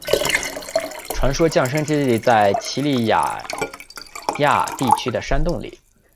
传说降生之地在奇里乞亚地区的山洞里。